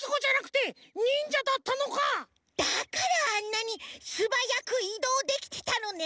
だからあんなにすばやくいどうできてたのね！